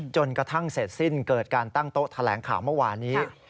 จนกระทั่งเสร็จสิ้นเกิดการตั้งโต๊ะแถลงข่าวเมื่อวานนี้